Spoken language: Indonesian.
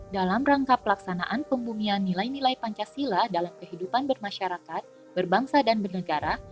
dalam rangka pelaksanaan pembumian nilai nilai pancasila dalam kehidupan bermasyarakat berbangsa dan bernegara